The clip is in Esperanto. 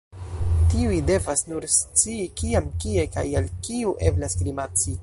Tiuj devas nur scii, kiam, kie, kaj al kiu eblas grimaci.